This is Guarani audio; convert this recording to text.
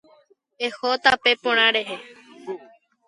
Eho tape porãre.